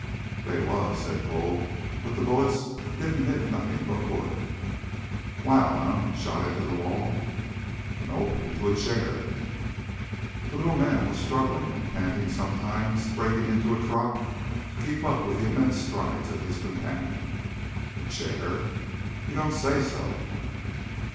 "They was," said Bull, "but them bullets didn't hit nothing but wood." "Wild, eh? Shot into the wall?" "Nope. Into a chair." The little man was struggling and panting sometimes breaking into a trot to keep up with the immense strides of his companion. "A chair? You don't say so!"